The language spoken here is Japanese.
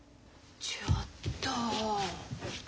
ちょっと。